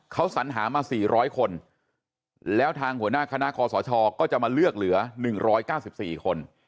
เขาสัญหามา๔๐๐คนแล้วทางหัวหน้าคณะคอสชก็จะมาเลือกเหลือ๑๙๔คน